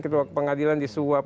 ketua pengadilan disuap